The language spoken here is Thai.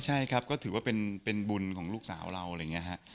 ใช่ครับก็ถือว่าเป็นบุญของลูกสาวเราอะไรอย่างนี้ฮะ